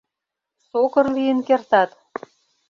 Сокыр лийын кертат.